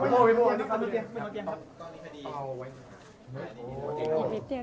นี่เป็นไอ้หนัวเตียน